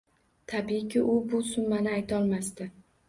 Tabiiyki, u bu summani aytolmasdi